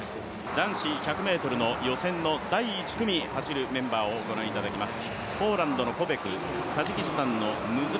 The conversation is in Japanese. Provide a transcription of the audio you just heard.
男子１００ｍの予選の第１組、走るメンバーをご覧いただきます。